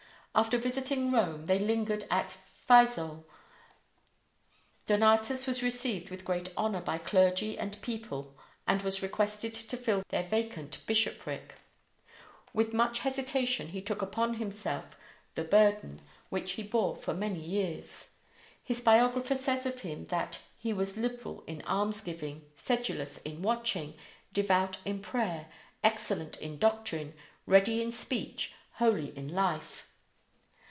After visiting Rome, they lingered at Fiesole. Donatus was received with great honor by clergy and people and was requested to fill their vacant bishopric. With much hesitation he took upon himself ihe burden, which he bore for many years. His biographer says of him that "he was liberal in almsgiving, sedulous in watching, devout in prayer, excellent in doctrine, ready in speech, holy in life."